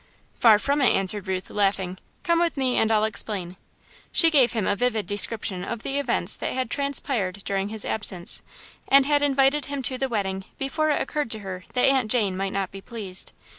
"Far from it," answered Ruth, laughing. "Come with me and I'll explain." She gave him a vivid description of the events that had transpired during his absence, and had invited him to the wedding before it occurred to her that Aunt Jane might not be pleased.